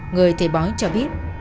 người thầy bói cho biết